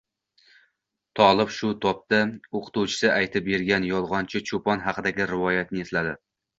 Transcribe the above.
Tolib shu topda o‘qituvchisi aytib bergan Yolg‘onchi cho‘pon haqidagi rivoyatni esladi